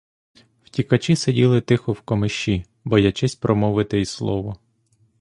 Втікачі сиділи тихо в комиші, боячись промовити й слово.